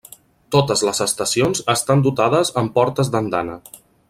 Totes les estacions estan dotades amb portes d'andana.